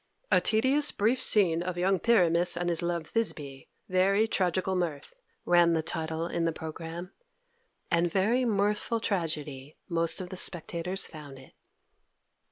"A tedious brief scene of young Pyramus and his love Thisbe: very tragical mirth," ran the title in the programme, and very mirthful tragedy most of the spectators found it.